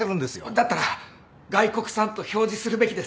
だったら外国産と表示するべきです。